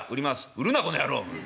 「売るなこの野郎。